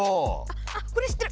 あっこれ知ってる